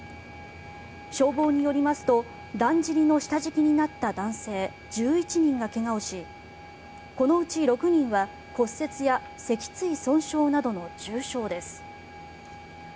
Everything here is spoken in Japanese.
消防によりますとだんじりの下敷きになった男性１１人が怪我をしこのうち６人は骨折や脊椎損傷などの重傷です。